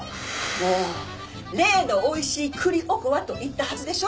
もう「例のおいしい栗おこわ」と言ったはずでしょ？